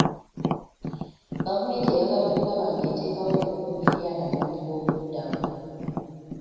Gavumenti eyagala okulaba nga eteekawo obukuumi eri abanoonyiboobubudamu.